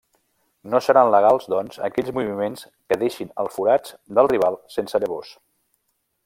No seran legals doncs aquells moviments que deixin els forats del rival sense llavors.